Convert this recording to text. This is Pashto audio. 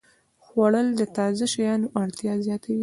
خوړل د تازه شیانو اړتیا زیاتوي